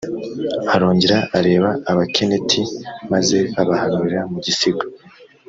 arongera areba abakeniti, maze abahanurira mu gisigo.